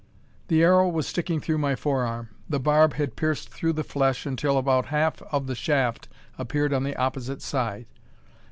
The arrow was sticking through my forearm. The barb had pierced through the flesh, until about half of the shaft appeared on the opposite side.